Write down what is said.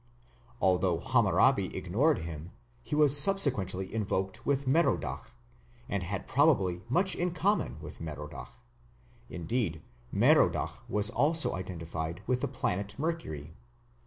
Although Hammurabi ignored him, he was subsequently invoked with Merodach, and had probably much in common with Merodach. Indeed, Merodach was also identified with the planet Mercury.